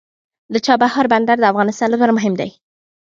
د چابهار بندر د افغانستان لپاره مهم دی.